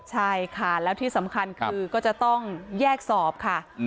ใช่ค่ะแล้วที่สำคัญคือก็จะต้องแยกสอบค่ะ